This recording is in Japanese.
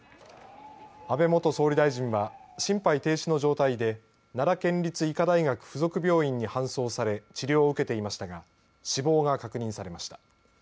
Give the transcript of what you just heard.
安倍元総理大臣は心肺停止の状態で奈良県立医科大学附属病院に搬送され治療を受けていましたが死亡が確認されました。